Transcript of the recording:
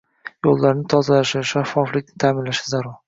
yo‘llarni tozalashi, shaffoflikni taʼminlashi zarur.